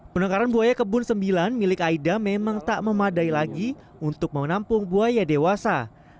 penangkaran buaya kebun sembilan milik aida memang tak memadai lagi untuk menampung buaya dewasa